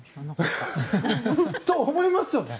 と、思いますよね。